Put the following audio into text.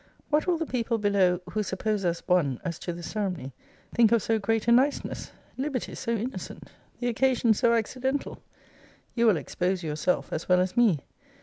What will the people below, who suppose us one as to the ceremony, think of so great a niceness? Liberties so innocent! the occasion so accidental! You will expose yourself as well as me.